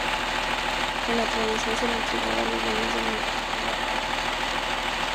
En la tradición, se le entregaba a los dueños del inframundo ofrendas.